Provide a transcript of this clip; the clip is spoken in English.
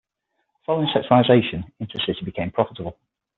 Following sectorisation, InterCity became profitable.